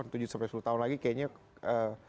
tujuh sampai sepuluh tahun lagi kayaknya